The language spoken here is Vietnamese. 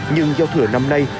nhưng giao thừa năm nay